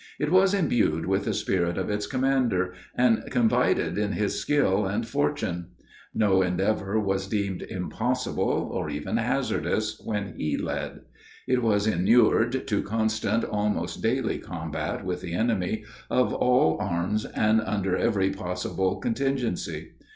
It was imbued with the spirit of its commander, and confided in his skill and fortune; no endeavor was deemed impossible or even hazardous when he led. It was inured to constant, almost daily, combat with the enemy, of all arms and under every possible contingency.